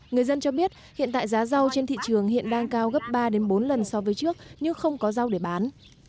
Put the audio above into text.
người dân cho biết hiện tại giá rau trên thị trường hiện đang cao gấp ba bốn lần so với trước nhưng không có rau để bán